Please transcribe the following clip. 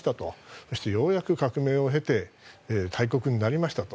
そして、ようやく革命を経て大国になりましたと。